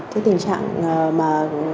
cái tình trạng mà